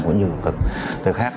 cũng như các nơi khác